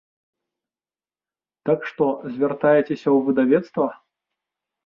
Так што звяртайцеся ў выдавецтва.